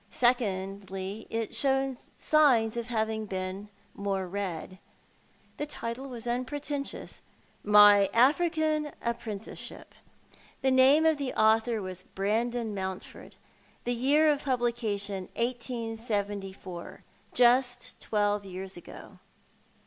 Secondly, it showed signs of having been more read. The title was unpretentious— " My African Apprenticeship." The name of the author was Brandon Mountford ; the year of publication 187 i— just twelve years ago.